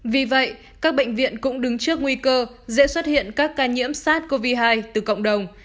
vì vậy các bệnh viện cũng đứng trước nguy cơ dễ xuất hiện các ca nhiễm sars cov hai từ cộng đồng